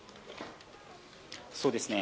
そうですね。